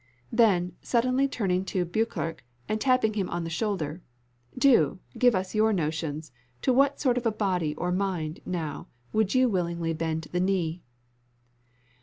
Then, suddenly turning to Beauclerc, and tapping him on the shoulder "Do, give us your notions to what sort of a body or mind, now, would you willingly bend the knee?"